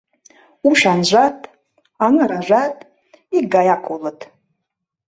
— Ушанжат, аҥыражат икгаяк улыт.